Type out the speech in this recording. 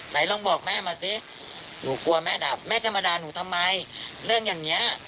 ไหนลองบอกแม่มาสิหนูกลัวแม่ด่าแม่จะมาด่าหนูทำไมเรื่องอย่างเนี้ย